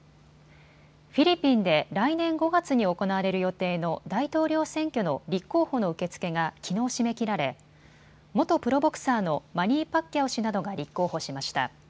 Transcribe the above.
フィリピンで来年５月に行われる予定の大統領選挙の立候補の受け付けがきのう締め切られ元プロボクサーのマニー・パッキャオ氏などが立候補しました。